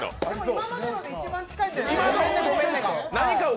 今までので一番近いかも。